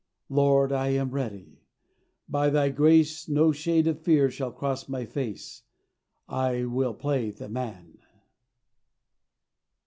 Lord, I am ready. By thy grace No shade of fear shall cross my face, And I will play the man.